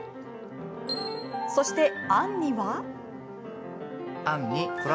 そして、あんには。